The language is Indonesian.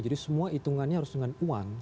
jadi semua itungannya harus dengan uang